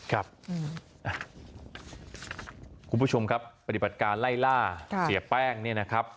คุณผู้ชมครับปฏิบัติการไล่ล่าเสียแป้งเนี่ยนะครับ